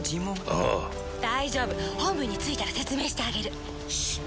ああ大丈夫本部に着いたら説明してあげるシーッ